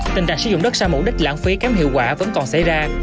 tình trạng sử dụng đất sai mục đích lãng phí kém hiệu quả vẫn còn xảy ra